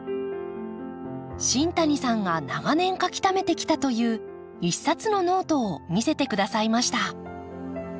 新谷さんが長年書きためてきたという一冊のノートを見せてくださいました。